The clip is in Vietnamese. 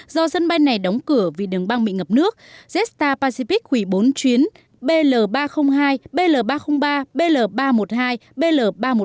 do sân bay này đóng cửa vì đường băng bị ngập nước jetstar pacific hủy bốn chuyến bl ba trăm linh hai bl ba trăm linh ba bl ba trăm một mươi hai bl ba trăm một mươi